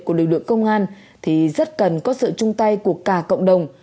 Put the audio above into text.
của lực lượng công an thì rất cần có sự chung tay của cả cộng đồng